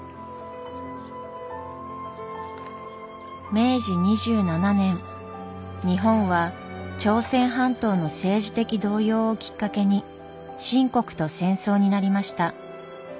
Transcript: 明治２７年日本は朝鮮半島の政治的動揺をきっかけに清国と戦争になりました。